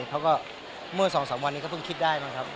เขาก็เมื่อสองสามวันนี้ก็ต้องคิดได้นะครับ